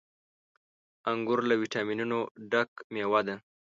• انګور له ويټامينونو ډک مېوه ده.